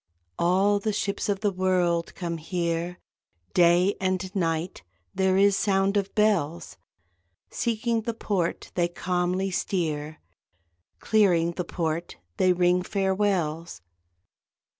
All the ships of the world come here, Day and night there is sound of bells, Seeking the port they calmly steer, Clearing the port they ring farewells.